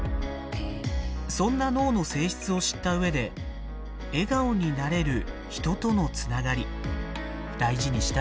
そんな脳の性質を知った上で笑顔になれる人とのつながり大事にしたいですね。